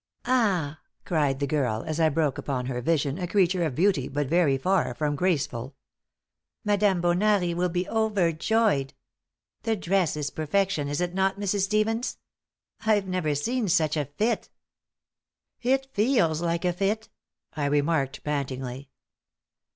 "Ah!" cried the girl, as I broke upon her vision, a creature of beauty, but very far from graceful. "Madame Bonari will be overjoyed. The dress is perfection, is it not, Mrs. Stevens? I've never seen such a fit." "It feels like a fit," I remarked, pantingly.